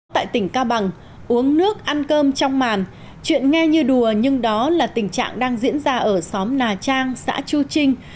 tại tỉnh cao bằng uống nước ăn cơm trong màn chuyện nghe như đùa nhưng đó là tình trạng đang diễn ra ở xóm nà trang xã chu trinh